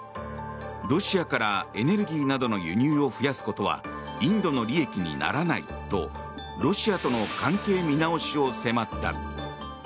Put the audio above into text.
ロシアからエネルギーなどの輸入を増やすことはインドの利益にならないとロシアとの関係見直しを迫った。